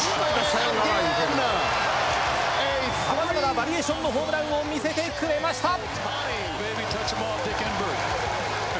様々なバリエーションのホームランを見せてくれました。